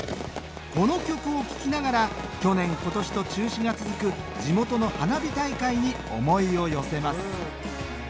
この曲を聴きながら去年今年と中止が続く地元の花火大会に思いを寄せます